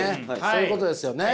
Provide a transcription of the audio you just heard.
そういうことですよね。